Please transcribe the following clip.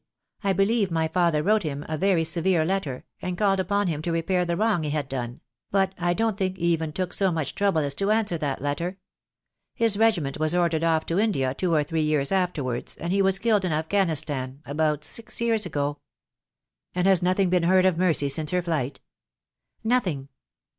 I believe my father wrote him a very severe letter, and called upon him to repair the wrong he had done; but I don't think he even took so much trouble as 294 THE DAY WILL COME. to answer that letter. His regiment was ordered off to India two or three years afterwards, and he was killed in Afghanistan about six years ago." "And has nothing been heard of Mercy since her flight?" "Nothing."